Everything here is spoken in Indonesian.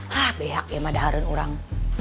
hah behak ya madaharin orang